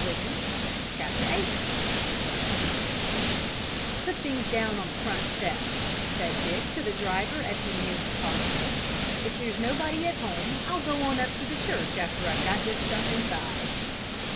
VIII "Put the things down on the front steps," said Dick to the driver as he neared the parsonage. "If there's nobody at home I'll go on up to the church after I've got this stuff inside."